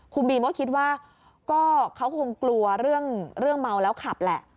คุณบีมก็คิดว่าก็เขาคงกลัวเรื่องเมาแล้วขับแหละ